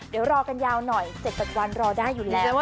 เดี๋ยวรอกันยาวหน่อย๗๘วันรอได้อยู่แล้ว